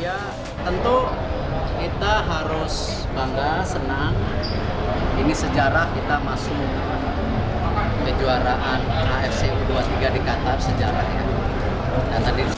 ya tentu kita harus bangga senang ini sejarah kita masuk kejuaraan afc u dua puluh tiga di qatar sejarahnya